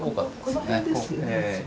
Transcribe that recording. この辺ですね。